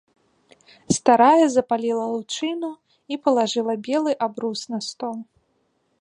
Старая запаліла лучыну і палажыла белы абрус на стол.